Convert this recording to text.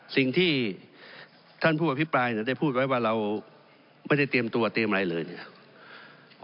สิ่งที่ท่านผู้อภิปรายได้พูดไว้ว่าเราไม่ได้เตรียมตัวเตรียมอะไรเลยเนี่ย